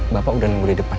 bapak udah nunggu di depan